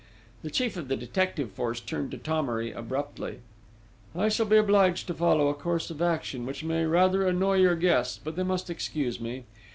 The chief of the detective force turned to Thomery abruptly: "I shall be obliged to follow a course of action which may rather annoy your guests; but they must excuse me.